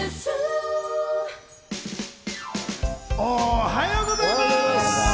おはようございます。